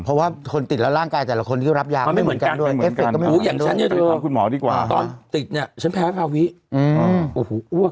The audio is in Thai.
เพราะว่าคนติดแล้วร่างกายแต่ละคนที่รับยามันไม่เหมือนกัน